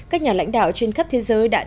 các nhà lãnh đạo trên khắp thế giới đã đề cập